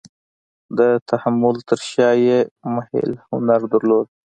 د تحمل تر شا یې محیل هنر درلود.